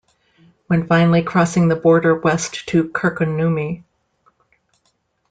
When finally crossing the border west to Kirkkonummi.